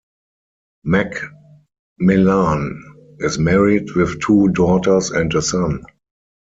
MacMillan is married with two daughters and a son.